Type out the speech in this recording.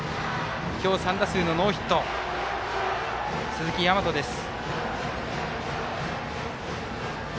今日３打数のノーヒット鈴木大和です。